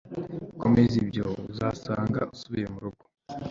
Komeza ibyo uzasanga usubiye murugo